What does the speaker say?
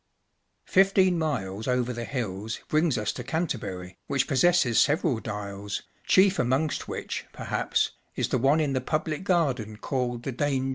Fifteen miles over the liills brings us to Canterbury, which possesses several dials, chief amongst which, perhaps, is the one in the public garden called “The Dane John.